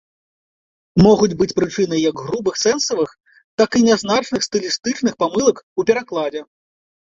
Могуць быць прычынай як грубых сэнсавых, так і нязначных стылістычных памылак у перакладзе.